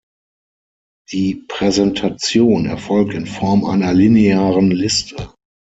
Die Präsentation erfolgt in Form einer linearen Liste.